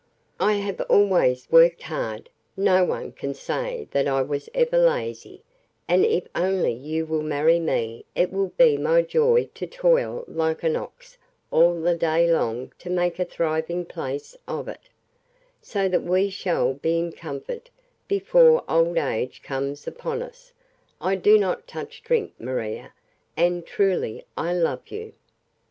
I have always worked hard; no one can say that I was ever lazy, and if only you will marry me it will be my joy to toil like an ox all the day long to make a thriving place of it, so that we shall be in comfort before old age comes upon us. I do not touch drink, Maria, and truly I love you